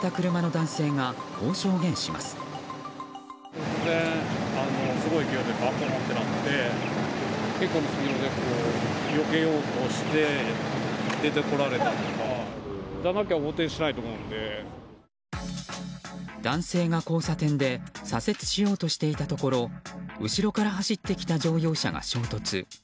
男性が交差点で左折しようとしていたところ後ろから走ってきた乗用車が衝突。